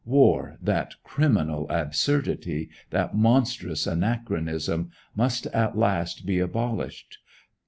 War, that criminal absurdity, that monstrous anachronism, must at last be abolished.